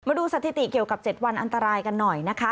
ดูสถิติเกี่ยวกับ๗วันอันตรายกันหน่อยนะคะ